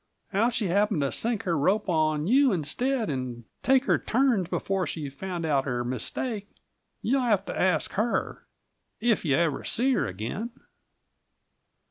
How she happened to sink her rope on you instead, and take her turns before she found out her mistake, you'll have to ask her if you ever see her again.